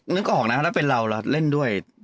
นึกออกนะถ้าเป็นเราเราเล่นด้วย